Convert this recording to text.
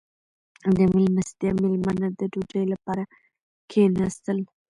• د میلمستیا مېلمانه د ډوډۍ لپاره کښېناستل.